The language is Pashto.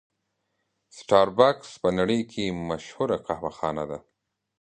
سټار بکس په نړۍ کې مشهوره قهوه خانه ده.